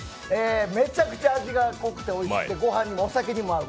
めちゃくちゃ味が濃くておいしくてご飯にもお酒にも合う。